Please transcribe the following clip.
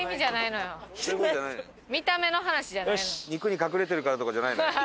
肉に隠れてるからとかじゃないのよ。